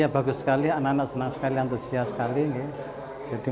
bagus sekali anak anak senang sekali antusias sekali